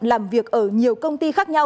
làm việc ở nhiều công ty khác nhau